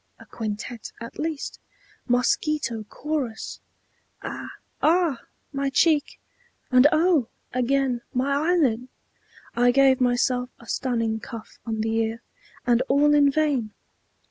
A quintette at least. Mosquito chorus! A ah! my cheek! And oh! again, my eyelid! I gave myself a stunning cuff on the ear And all in vain.